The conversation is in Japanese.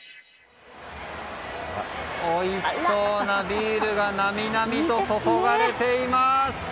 おいしそうなビールがなみなみと注がれています！